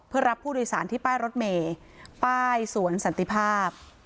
เพื่อรับผู้โดยสารที่ป้ายรถเมย์ป้ายสวนสันติภาพ